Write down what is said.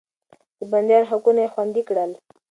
د بنديانو حقونه يې خوندي کړل.